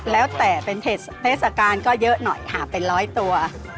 แล้วแต่เป็นเทศกาลก็เยอะหน่อยหาเป็นร้อยตัว